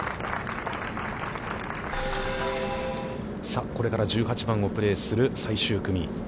さあこれから１８番をプレーする最終組。